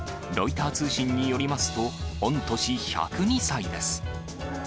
ロイター通信によりますと、御年１０２歳です。